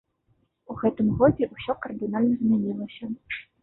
У гэтым годзе ўсё кардынальна змянілася.